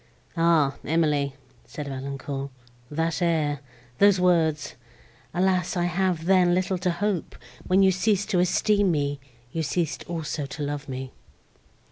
"Ah Emily!" said Valancourt, "that air, those words—alas! I have, then, little to hope—when you ceased to esteem me, you ceased also to love me!"